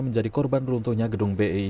menjadi korban runtuhnya gedung bi